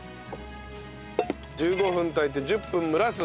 １５分炊いて１０分蒸らす。